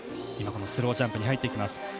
今、スロージャンプに入っていきます。